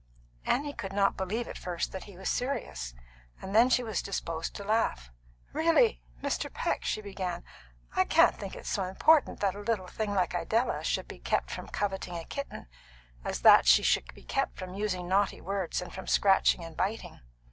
Annie could not believe at first that he was serious, and then she was disposed to laugh. "Really, Mr. Peck," she began, "I can't think it's so important that a little thing like Idella should be kept from coveting a kitten as that she should be kept from using naughty words and from scratching and biting."